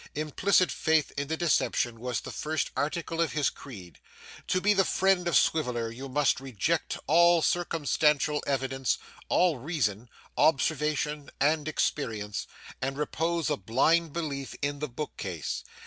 Implicit faith in the deception was the first article of his creed. To be the friend of Swiveller you must reject all circumstantial evidence, all reason, observation, and experience, and repose a blind belief in the bookcase.